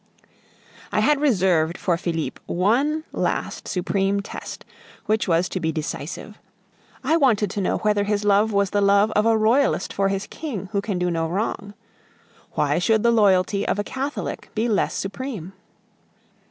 I had reserved for Felipe one last supreme test which was to be decisive. I wanted to know whether his love was the love of a Royalist for his King, who can do no wrong. Why should the loyalty of a Catholic be less supreme?